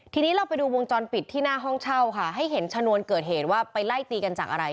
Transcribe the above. ทีนี้เราไปดูวงจรปิดที่หน้าห้องเช่าค่ะให้เห็นชนวนเกิดเหตุว่าไปไล่ตีกันจากอะไร